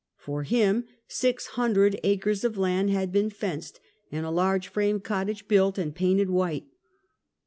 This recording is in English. For him six hundred acres of land had been fenced, and a large frame cottage built and painted white.